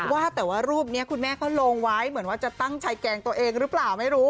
ว่าแต่ว่ารูปนี้คุณแม่เขาลงไว้เหมือนว่าจะตั้งใจแกล้งตัวเองหรือเปล่าไม่รู้